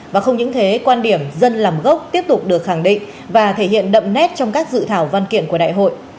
và không những thế quan điểm dân làm gốc tiếp tục được khẳng định và thể hiện đậm nét trong các dự thảo văn kiện của đại hội